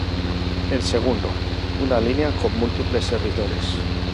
El segundo, una línea con múltiples servidores.